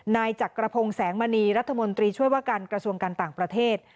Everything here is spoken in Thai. นายจักรพงศ์แสงมณีรัฐมนตรีช่วยว่าการกระทรวงการต่างประเทศ